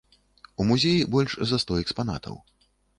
У музеі больш за сто экспанатаў.